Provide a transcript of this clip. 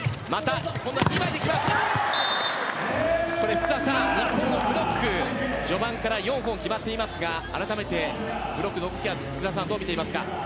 福澤さん、日本のブロック序盤から４本決まっていますが改めて、ブロックの動きどう見ていますか。